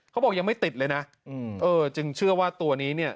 เขาบอกยังไม่ติดเลยนะเออจึงเชื่อว่าตัวนี้เนี่ย